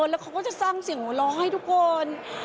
แล้วเขาก็จะสร้างเสียงหัวเราะให้ทุกคน